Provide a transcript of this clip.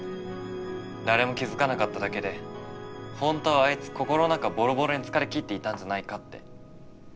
誰も気付かなかっただけで本当はあいつ心の中ボロボロに疲れ切っていたんじゃないかって。